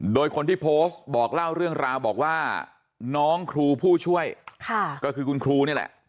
โดยคนที่โพสต์บอกเล่าเรื่องราวบอกว่าน้องครูผู้ช่วยก็คือคุณครูนี่แหละ